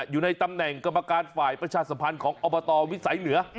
อยู่ในตำแหน่งกรรมการฝ่ายประชาสัมพันธ์ของอบตวิสัยเหนือ